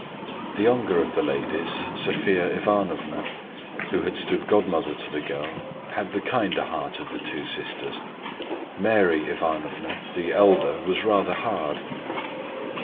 The younger of the ladies, Sophia Ivanovna, who had stood godmother to the girl, had the kinder heart of the two sisters; Maria Ivanovna, the elder, was rather hard.